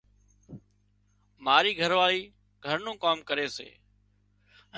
مارِي گھرواۯِي گھر نُون ڪام ڪري سي۔